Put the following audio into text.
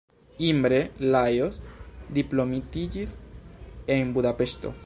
Imre Lajos diplomitiĝis en Budapeŝto.